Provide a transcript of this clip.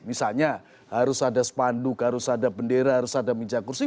misalnya harus ada spanduk harus ada bendera harus ada meja kursi